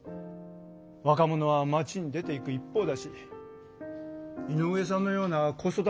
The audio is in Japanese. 若者は町に出ていく一方だし井上さんのような子育て世代も少ない。